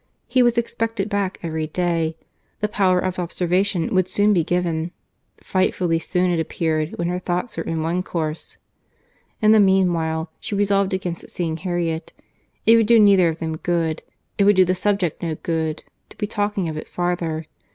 —He was expected back every day. The power of observation would be soon given—frightfully soon it appeared when her thoughts were in one course. In the meanwhile, she resolved against seeing Harriet.—It would do neither of them good, it would do the subject no good, to be talking of it farther.